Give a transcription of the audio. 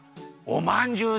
おまんじゅう！？